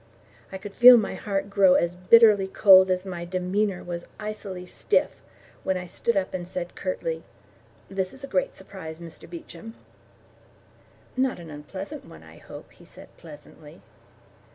I could feel my heart grow as bitterly cold as my demeanour was icily stiff, when I stood up and said curtly: "This is a great surprise, Mr Beecham." "Not an unpleasant one, I hope," he said pleasantly.